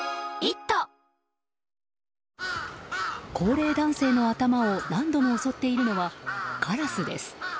高齢男性の頭を何度も襲っているのはカラスです。